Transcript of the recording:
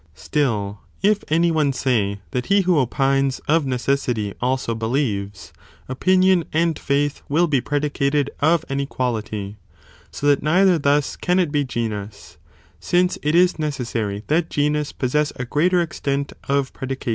Still, if any one say, that he who opines, of necessity also believes, opinion and faith will be predicated of an equality, so that neither thus can it be genus, since it is necessary that genus possess a greater extent of predication.